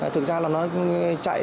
thực ra là nó chạy